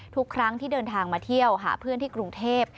ทุกครั้งที่เดินทางมาเที่ยวหาเพื่อนที่กรุงเทพ